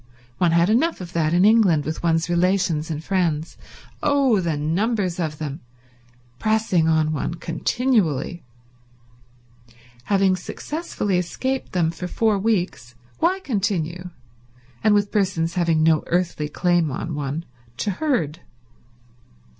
One had enough of that in England, with one's relations and friends—oh, the numbers of them!—pressing on one continually. Having successfully escaped them for four weeks why continue, and with persons having no earthly claim on one, to herd?